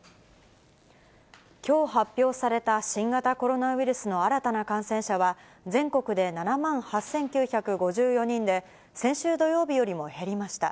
きょう発表された新型コロナウイルスの新たな感染者は、全国で７万８９５４人で、先週土曜日よりも減りました。